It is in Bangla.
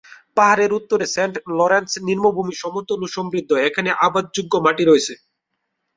পাহাড়ের উত্তরে, সেন্ট লরেন্স নিম্নভূমি সমতল ও সমৃদ্ধ, এখানে আবাদযোগ্য মাটি রয়েছে।